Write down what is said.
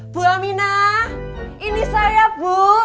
bu aminah ini saya bu puput